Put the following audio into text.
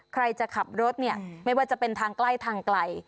ใครจะขับรถเนี่ยไม่ว่าจะเป็นทางใกล้ทางไกล